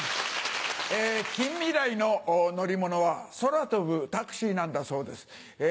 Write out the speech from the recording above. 近未来の乗り物は空飛ぶタクシーなんだそうです。